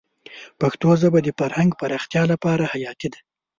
پښتو ژبه د فرهنګ پراختیا لپاره حیاتي ده.